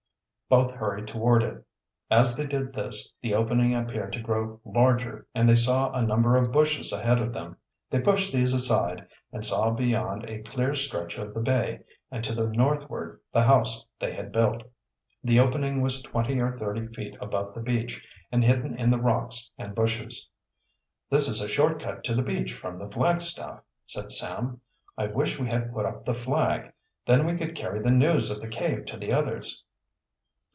Both hurried forward. As they did this, the opening appeared to grow larger and they saw a number of bushes ahead of them. They pushed these aside and saw beyond a clear stretch of the bay and to the northward the house they had built. The opening was twenty or thirty feet above the beach and hidden in the rocks and bushes. "This is a short cut to the beach from the flagstaff," said Sam. "I wish we had put up the flag. Then we could carry the news of the cave to the others."